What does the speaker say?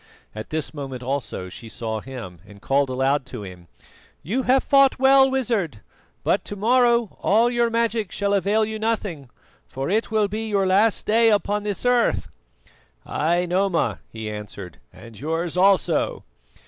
At this moment also she saw him and called aloud to him: "You have fought well, Wizard, but to morrow all your magic shall avail you nothing, for it will be your last day upon this earth." "Ay, Noma," he answered, "and yours also."